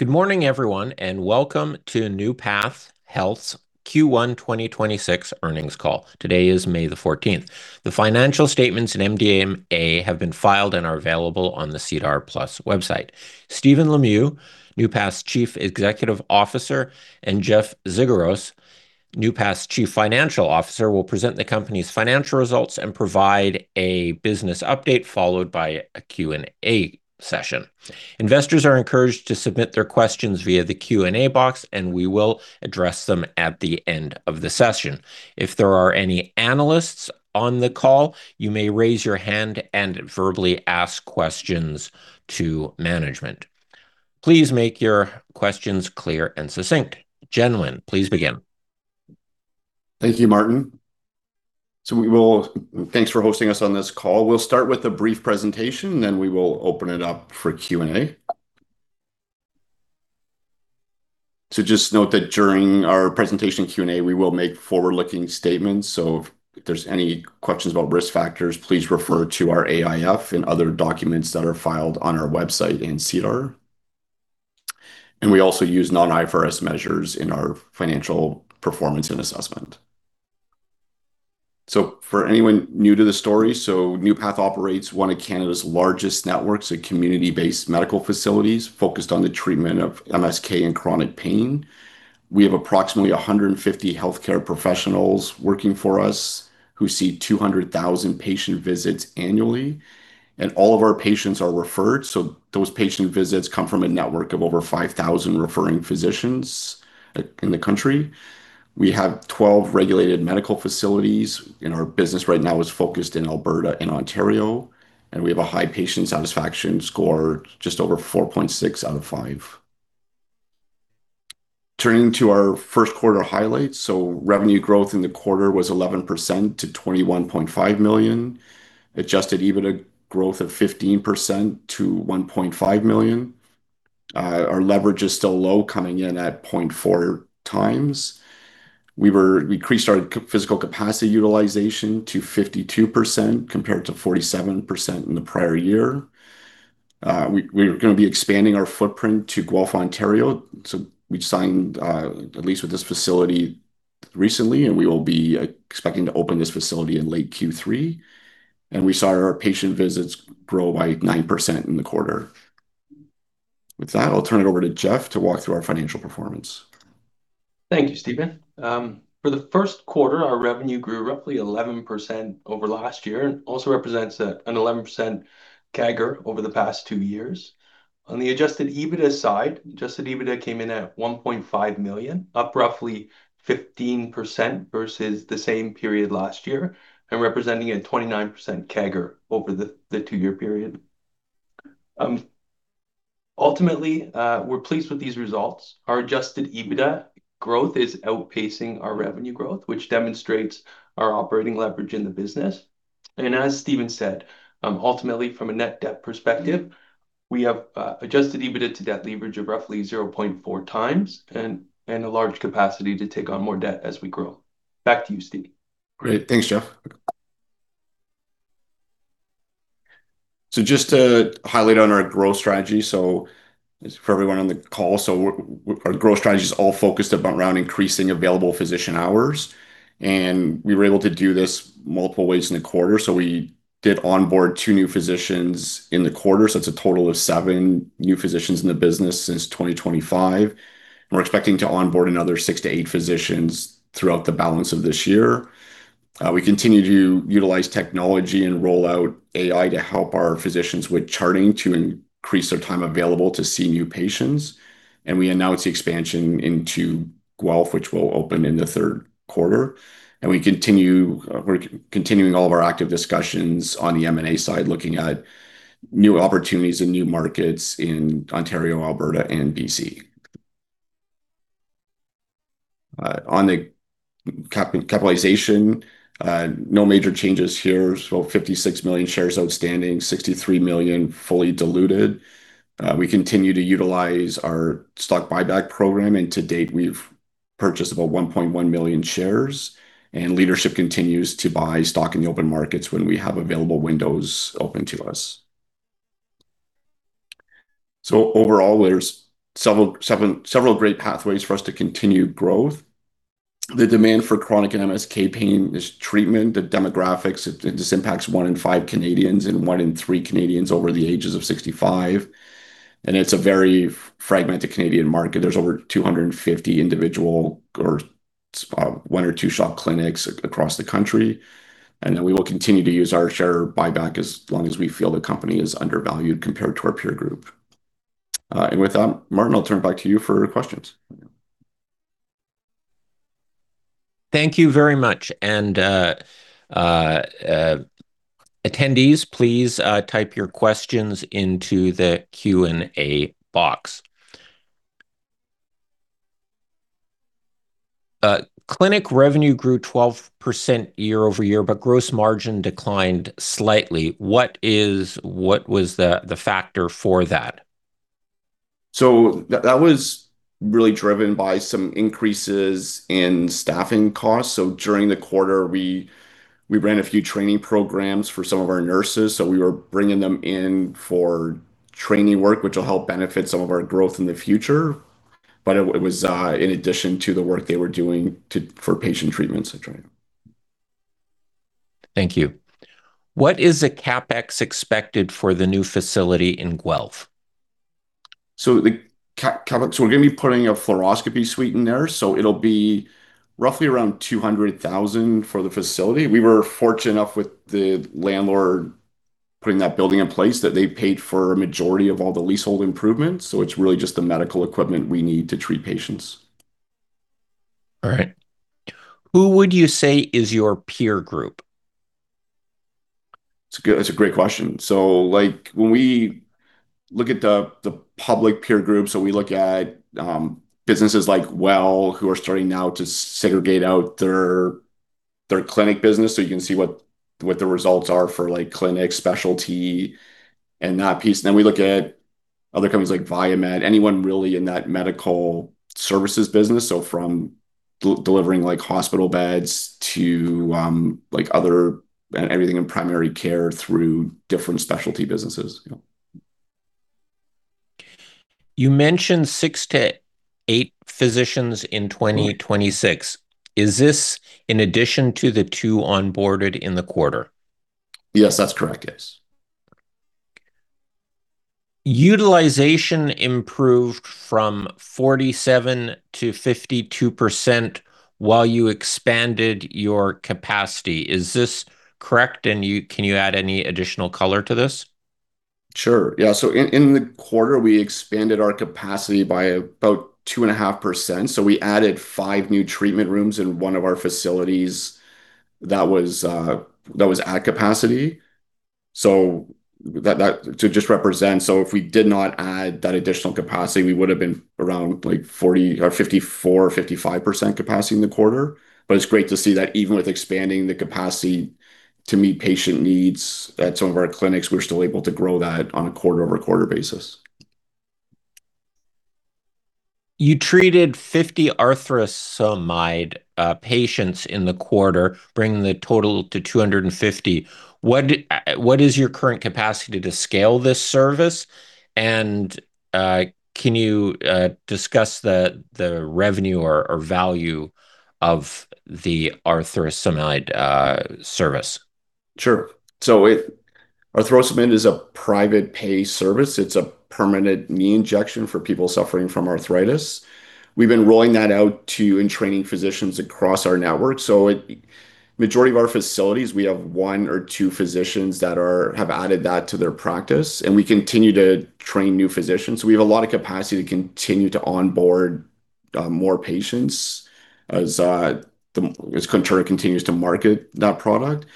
Good morning, everyone, and welcome to NeuPath Health's Q1 2026 earnings call. Today is May the 14th. The financial statements and MD&A have been filed and are available on the SEDAR+ website. Stephen Lemieux, NeuPath's Chief Executive Officer, and Jeff Zygouras, NeuPath's Chief Financial Officer, will present the company's financial results and provide a business update, followed by a Q&A session. Investors are encouraged to submit their questions via the Q&A box, and we will address them at the end of the session. If there are any analysts on the call, you may raise your hand and verbally ask questions to management. Please make your questions clear and succinct. Gentlemen, please begin. Thank you, Martin. Thanks for hosting us on this call. We'll start with a brief presentation, then we will open it up for Q&A. Just note that during our presentation Q&A, we will make forward-looking statements. If there's any questions about risk factors, please refer to our AIF and other documents that are filed on our website in SEDAR+. We also use non-IFRS measures in our financial performance and assessment. For anyone new to the story, NeuPath operates one of Canada's largest networks of community-based medical facilities focused on the treatment of MSK and chronic pain. We have approximately 150 healthcare professionals working for us who see 200,000 patient visits annually, and all of our patients are referred. Those patient visits come from a network of over 5,000 referring physicians in the country. We have 12 regulated medical facilities, our business right now is focused in Alberta and Ontario, we have a high patient satisfaction score, just over 4.6 out of 5. Turning to our first quarter highlights. Revenue growth in the quarter was 11% to 21.5 million. Adjusted EBITDA growth of 15% to 1.5 million. Our leverage is still low, coming in at 0.4x. We increased our physical capacity utilization to 52%, compared to 47% in the prior year. We're gonna be expanding our footprint to Guelph, Ontario, we signed the lease with this facility recently, we will be expecting to open this facility in late Q3. We saw our patient visits grow by 9% in the quarter. With that, I'll turn it over to Jeff to walk through our financial performance. Thank you, Stephen. For the first quarter, our revenue grew roughly 11% over last year and also represents an 11% CAGR over the past two years. On the Adjusted EBITDA side, Adjusted EBITDA came in at 1.5 million, up roughly 15% versus the same period last year and representing a 29% CAGR over the two-year period. Ultimately, we're pleased with these results. Our Adjusted EBITDA growth is outpacing our revenue growth, which demonstrates our operating leverage in the business. As Stephen said, ultimately, from a net debt perspective, we have Adjusted EBITDA to debt leverage of roughly 0.4x and a large capacity to take on more debt as we grow. Back to you, Stephen. Great. Thanks, Jeff. Just to highlight on our growth strategy, for everyone on the call, our growth strategy is all focused around increasing available physician hours, and we were able to do this multiple ways in a quarter. We did onboard two new physicians in the quarter, it's a total of seven new physicians in the business since 2025. We're expecting to onboard another six to eight physicians throughout the balance of this year. We continue to utilize technology and roll out AI to help our physicians with charting to increase their time available to see new patients. We announced the expansion into Guelph, which will open in the third quarter. We're continuing all of our active discussions on the M&A side, looking at new opportunities and new markets in Ontario, Alberta, and BC. On the capitalization, no major changes here. 56 million shares outstanding, 63 million fully diluted. We continue to utilize our stock buyback program. To date, we've purchased about 1.1 million shares, and leadership continues to buy stock in the open markets when we have available windows open to us. Overall, there's several great pathways for us to continue growth. The demand for chronic and MSK pain is treatment. The demographics, it just impacts one in five Canadians and one in three Canadians over the ages of 65, and it's a very fragmented Canadian market. There's over 250 individual or one or two shop clinics across the country. We will continue to use our share buyback as long as we feel the company is undervalued compared to our peer group. With that, Martin, I'll turn it back to you for questions. Thank you very much. Attendees, please type your questions into the Q&A box. clinic revenue grew 12% year-over-year, but gross margin declined slightly. What was the factor for that? That was really driven by some increases in staffing costs. During the quarter, we ran a few training programs for some of our nurses, so we were bringing them in for training work, which will help benefit some of our growth in the future. It was in addition to the work they were doing for patient treatments at Contura. Thank you. What is the CapEx expected for the new facility in Guelph? The CapEx we're gonna be putting a fluoroscopy suite in there, it'll be roughly around 200,000 for the facility. We were fortunate enough with the landlord putting that building in place that they paid for a majority of all the leasehold improvements, it's really just the medical equipment we need to treat patients. All right. Who would you say is your peer group? That's a great question. When we look at the public peer groups, we look at businesses like WELL, who are starting now to segregate out their clinic business, so you can see what the results are for, like clinic specialty and that piece. We look at other companies like VieMed Healthcare, anyone really in that medical services business. From delivering like hospital beds to like other and everything in primary care through different specialty businesses, you know. You mentioned six to eight physicians in 2026. Is this in addition to the two onboarded in the quarter? Yes, that's correct. Yes. Utilization improved from 47% to 52% while you expanded your capacity. Is this correct? Can you add any additional color to this? Sure, yeah. In, in the quarter, we expanded our capacity by about 2.5%, so we added five new treatment rooms in one of our facilities that was at capacity. That to just represent, if we did not add that additional capacity, we would have been around like 40% or 54%-55% capacity in the quarter. It's great to see that even with expanding the capacity to meet patient needs at some of our clinics, we're still able to grow that on a quarter-over-quarter basis. You treated 50 Arthrosamid patients in the quarter, bringing the total to 250. What is your current capacity to scale this service? Can you discuss the revenue or value of the Arthrosamid service? Arthrosamid is a private pay service. It's a permanent knee injection for people suffering from arthritis. We've been rolling that out to and training physicians across our network. Majority of our facilities, we have one or two physicians that have added that to their practice, and we continue to train new physicians. We have a lot of capacity to continue to onboard more patients as Contura continues to market that product.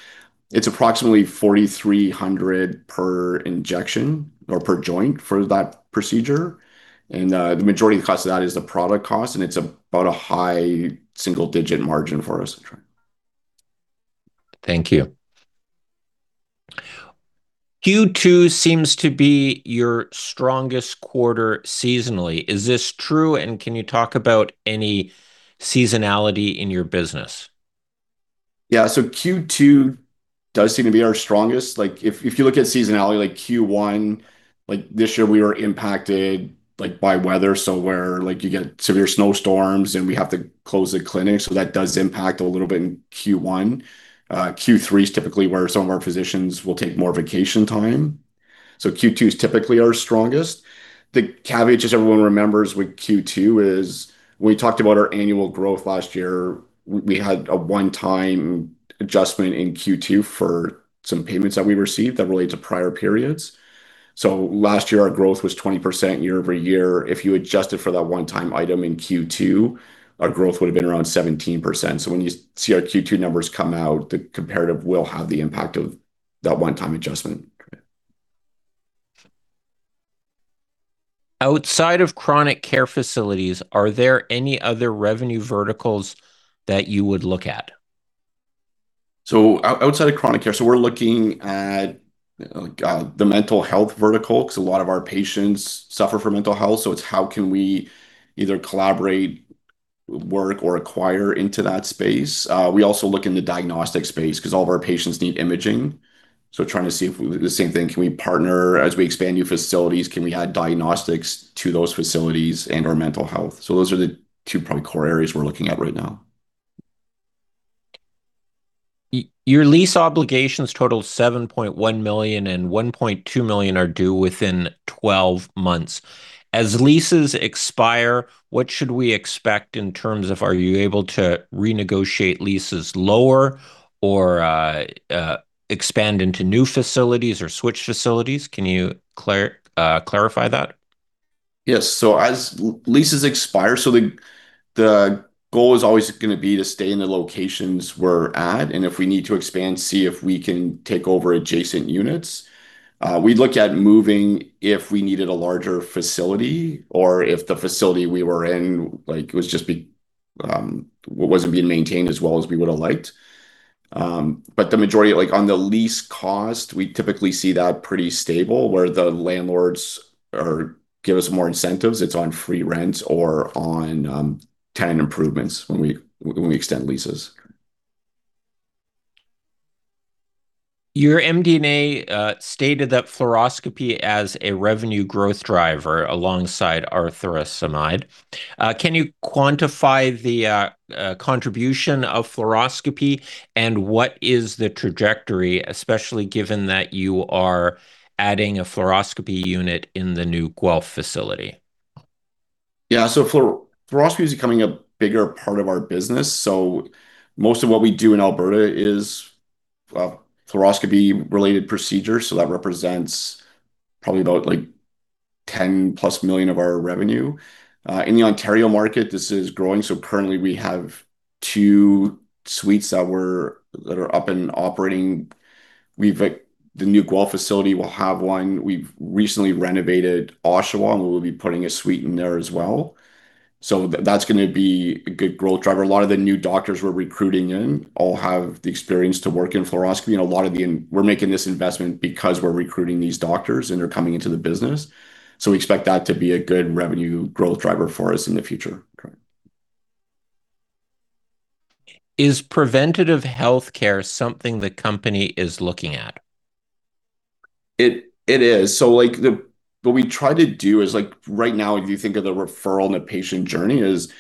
It's approximately 4,300 per injection or per joint for that procedure. The majority of the cost of that is the product cost, and it's about a high single-digit margin for us at Contura. Thank you. Q2 seems to be your strongest quarter seasonally. Is this true? Can you talk about any seasonality in your business? Q2 does seem to be our strongest. If you look at seasonality, Q1 this year, we were impacted by weather. Where you get severe snowstorms, and we have to close the clinic, that does impact a little bit in Q1. Q3 is typically where some of our physicians will take more vacation time. Q2 is typically our strongest. The caveat, just so everyone remembers with Q2 is, when we talked about our annual growth last year, we had a one-time adjustment in Q2 for some payments that we received that relate to prior periods. Last year, our growth was 20% year-over-year. If you adjusted for that one-time item in Q2, our growth would have been around 17%. When you see our Q2 numbers come out, the comparative will have the impact of that one-time adjustment. Outside of chronic care facilities, are there any other revenue verticals that you would look at? Outside of chronic care, so we're looking at the mental health vertical, 'cause a lot of our patients suffer from mental health, so it's how can we either collaborate, work or acquire into that space. We also look in the diagnostic space 'cause all of our patients need imaging. Trying to see the same thing, can we partner as we expand new facilities, can we add diagnostics to those facilities and/or mental health? Those are the two probably core areas we're looking at right now. Your lease obligations total 7.1 million, and 1.2 million are due within 12 months. As leases expire, what should we expect in terms of are you able to renegotiate leases lower or expand into new facilities or switch facilities? Can you clarify that? Yes. As leases expire, the goal is always gonna be to stay in the locations we're at, and if we need to expand, see if we can take over adjacent units. We'd look at moving if we needed a larger facility or if the facility we were in, like, wasn't being maintained as well as we would've liked. The majority, like, on the lease cost, we typically see that pretty stable where the landlords are give us more incentives. It's on free rent or on tenant improvements when we, when we extend leases. Your MD&A stated that fluoroscopy as a revenue growth driver alongside Arthrosamid. Can you quantify the contribution of fluoroscopy and what is the trajectory, especially given that you are adding a fluoroscopy unit in the new Guelph facility? Yeah. Fluoroscopy is becoming a bigger part of our business, so most of what we do in Alberta is fluoroscopy-related procedures, so that represents probably about, like, 10+ million of our revenue. In the Ontario market, this is growing, so currently we have two suites that are up and operating. We've, like, the new Guelph facility will have one. We've recently renovated Oshawa, and we'll be putting a suite in there as well. That's gonna be a good growth driver. A lot of the new doctors we're recruiting in all have the experience to work in fluoroscopy and a lot of the we're making this investment because we're recruiting these doctors and they're coming into the business. We expect that to be a good revenue growth driver for us in the future. Is preventative healthcare something the company is looking at? It is. Like the, what we try to do is, like, right now if you think of the referral and the patient journey is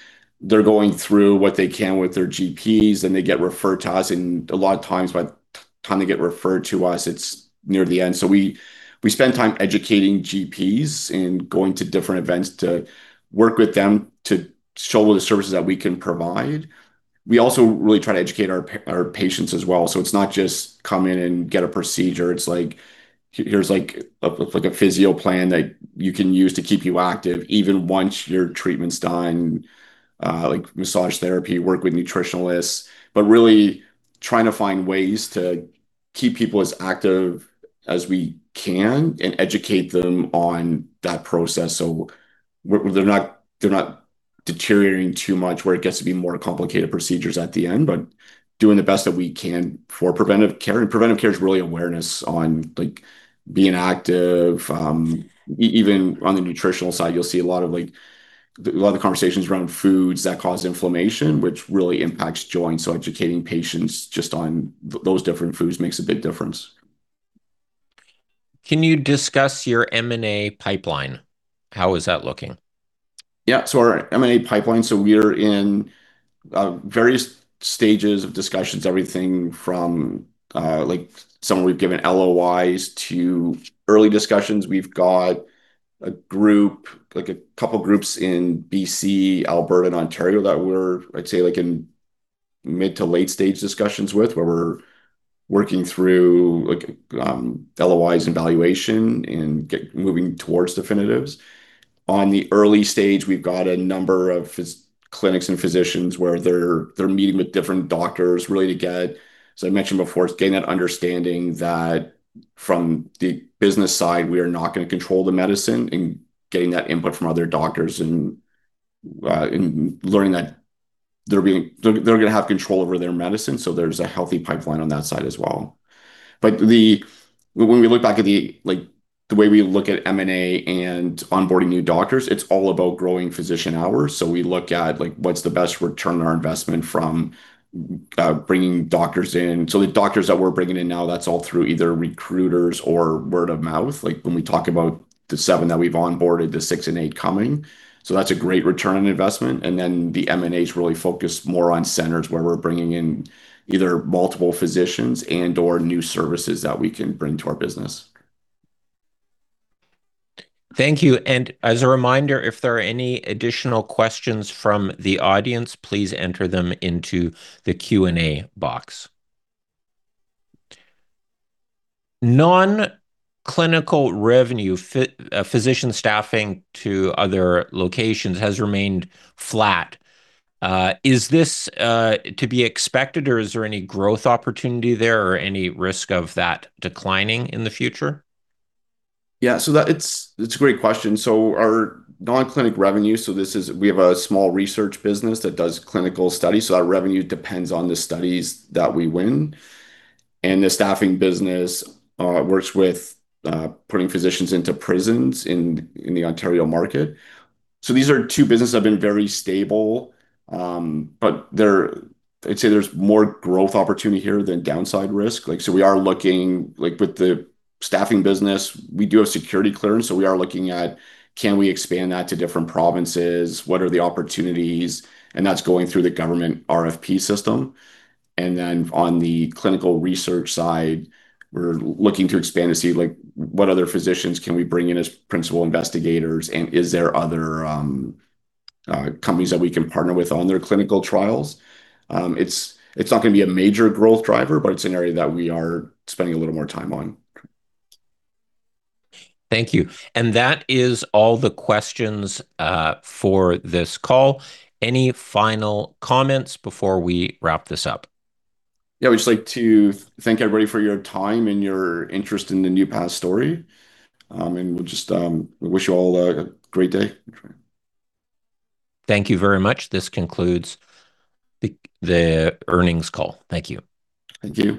they're going through what they can with their GPs and they get referred to us, and a lot of times by the time they get referred to us it's near the end. We spend time educating GPs and going to different events to work with them to show all the services that we can provide. We also really try to educate our patients as well, so it's not just come in and get a procedure. It's like, "Here, here's, like, a, like, a physio plan that you can use to keep you active even once your treatment's done." Like massage therapy, work with nutritionists, but really trying to find ways to keep people as active as we can and educate them on that process so they're not deteriorating too much where it gets to be more complicated procedures at the end, but doing the best that we can for preventive care. Preventive care is really awareness on, like, being active. Even on the nutritional side, you'll see a lot of, like, a lot of the conversations around foods that cause inflammation, which really impacts joints, so educating patients just on those different foods makes a big difference. Can you discuss your M&A pipeline? How is that looking? Yeah. Our M&A pipeline, we're in various stages of discussions, everything from, like, someone we've given LOIs to early discussions. We've got a group, like, two groups in BC, Alberta, and Ontario that we're, I'd say, like, in mid to late stage discussions with where we're working through, like, LOIs and valuation and moving towards definitives. On the early stage, we've got a number of clinics and physicians where they're meeting with different doctors really to get, as I mentioned before, it's getting that understanding that from the business side we are not gonna control the medicine and getting that input from other doctors and learning that they're gonna have control over their medicine, there's a healthy pipeline on that side as well. When we look back at the way we look at M&A and onboarding new doctors, it's all about growing physician hours, so we look at what's the best return on our investment from bringing doctors in. The doctors that we're bringing in now, that's all through either recruiters or word of mouth, when we talk about the seven that we've onboarded, the six and eight coming, so that's a great return on investment. The M&A is really focused more on centers where we're bringing in either multiple physicians and/or new services that we can bring to our business. Thank you. As a reminder, if there are any additional questions from the audience, please enter them into the Q&A box. Non-clinical revenue physician staffing to other locations has remained flat. Is this to be expected, or is there any growth opportunity there or any risk of that declining in the future? Yeah. That it's a great question. Our non-clinic revenue, this is we have a small research business that does clinical studies, our revenue depends on the studies that we win. The staffing business works with putting physicians into prisons in the Ontario market. These are two businesses that have been very stable, but they're I'd say there's more growth opportunity here than downside risk. Like, we are looking, like, with the staffing business, we do have security clearance, we are looking at can we expand that to different provinces? What are the opportunities? That's going through the government RFP system. On the clinical research side, we're looking to expand to see, like, what other physicians can we bring in as principal investigators, is there other companies that we can partner with on their clinical trials? It's not gonna be a major growth driver, but it's an area that we are spending a little more time on. Thank you. That is all the questions for this call. Any final comments before we wrap this up? Yeah. We'd just like to thank everybody for your time and your interest in the NeuPath Health story. We'll just, we wish you all a great day. Thank you very much. This concludes the earnings call. Thank you. Thank you.